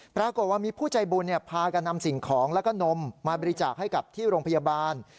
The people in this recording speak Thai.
ปรากฏว่ามีผู้ใจบุญพากันนำสิ่งของแล้วก็นมมาบริจาคให้กับที่โรงพยาบาล